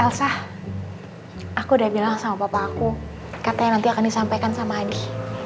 elsa aku udah bilang sama papa aku katanya nanti akan disampaikan sama adi